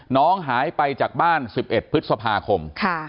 น้องหายไปจากบ้าน๑๑พฤษภาคม